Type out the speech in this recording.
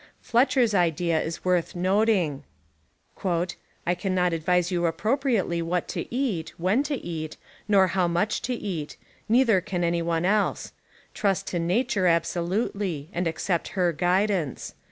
F 1 c t c h c r ' s idea is worth noting*: "I can not advise you appropriately what to eat, when to eat, nor how much to eat ; neither can anyone else. Trust to Nature ab solutely, and accept her guidance.